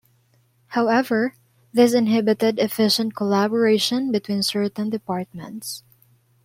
However, this inhibited efficient collaboration between certain departments.